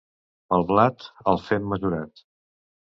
Pel blat, el fem mesurat.